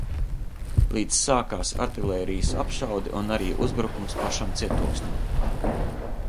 Līdz sākās artilērijas apšaude un arī uzbrukums pašam cietoksnim.